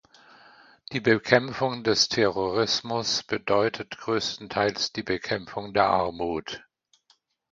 Die Bekämpfung des Terrorismus bedeutet größtenteils die Bekämpfung der Armut.